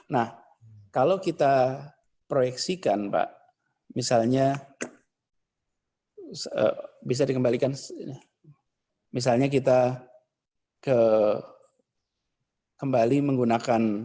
nah kalau kita proyeksikan pak misalnya bisa dikembalikan misalnya kita kembali menggunakan